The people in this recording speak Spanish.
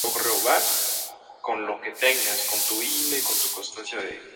El futuro de Metrobus se veía oscuro.